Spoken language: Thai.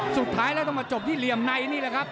สุดท้ายแล้วต้องมาจบที่เหลี่ยมในนี่แหละครับ